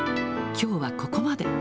きょうはここまで。